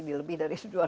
baik itu berpahak cipta